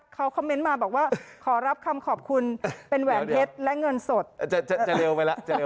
จะเร็วไปแล้ว